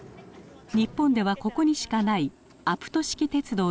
日本ではここにしかないアプト式鉄道の区間に入ります。